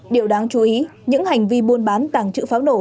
điều đáng chú ý những hành vi buôn bán tàng trữ pháo nổ